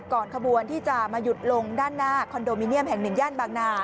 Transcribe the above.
ขบวนที่จะมาหยุดลงด้านหน้าคอนโดมิเนียมแห่งหนึ่งย่านบางนา